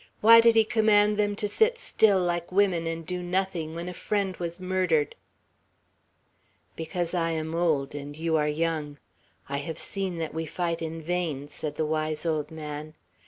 Why did he command them to sit still like women, and do nothing, when a friend was murdered? "Because I am old, and you are young. I have seen that we fight in vain," said the wise old man.